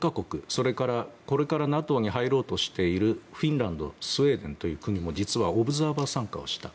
それから、これからＮＡＴＯに入ろうとしているフィンランドスウェーデンという国も実はオブザーバー参加をした。